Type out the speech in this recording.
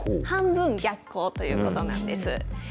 半分逆光ということなんです。